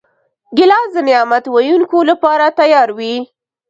ګیلاس د نعت ویونکو لپاره تیار وي.